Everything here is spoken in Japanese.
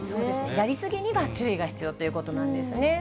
やり過ぎには注意が必要ということなんですね。